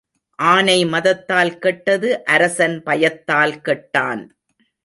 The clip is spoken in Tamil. ஆனை மதத்தால் கெட்டது அரசன் பயத்தால் கெட்டான்.